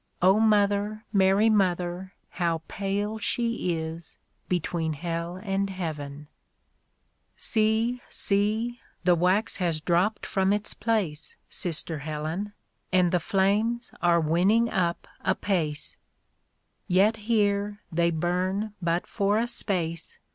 (O Mother, Mary Mother, How pale she is, between Hell and Heaven /),.See, see, the wax has dropped from its place. Sister Helen, And the flames are winning up apace I" Yet here they burn but for a space.